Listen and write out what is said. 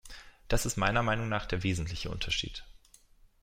Das ist meiner Meinung nach der wesentliche Unterschied.